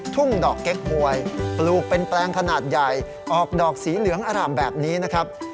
ทุ่งดอกเก๊กหวยปลูกเป็นแปลงขนาดใหญ่ออกดอกสีเหลืองอร่ามแบบนี้นะครับ